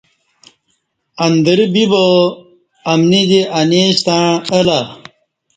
اندرہ بِبیا امنی دی انی ستݩع الہ